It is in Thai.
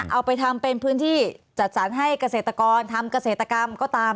เอาไปทำเป็นพื้นที่จัดสรรให้เกษตรกรทำเกษตรกรรมก็ตาม